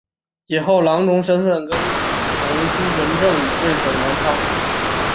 后以郎中身份跟从朱文正镇守南昌。